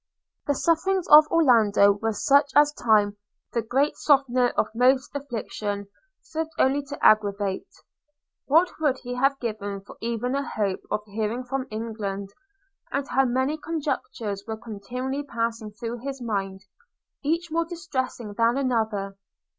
The sufferings of Orlando were such as time, the great softener of most affliction, served only to aggravate. What would he have given for even a hope of hearing from England! and how many conjectures were continually passing through his mind, each more distressing than another!